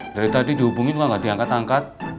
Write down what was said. dari tadi dihubungin lu gak diangkat angkat